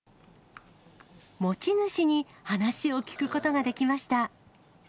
持ち主に話を聞くことができました。